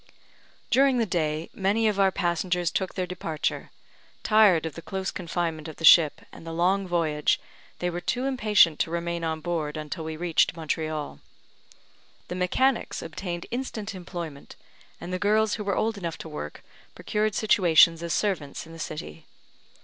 During the day, many of our passengers took their departure; tired of the close confinement of the ship, and the long voyage, they were too impatient to remain on board until we reached Montreal. The mechanics obtained instant employment, and the girls who were old enough to work, procured situations as servants in the city.